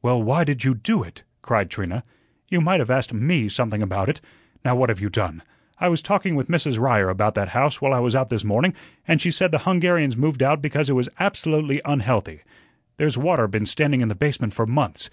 "Well, why did you DO it?" cried Trina. "You might have asked ME something about it. Now, what have you done? I was talking with Mrs. Ryer about that house while I was out this morning, and she said the Hungarians moved out because it was absolutely unhealthy; there's water been standing in the basement for months.